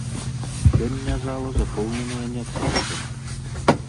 Сёння зала запоўненая не цалкам.